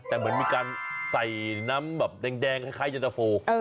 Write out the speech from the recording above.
แต่เหมือนมีการใส่น้ำแบบแดงคล้ายเย็นตะโฟ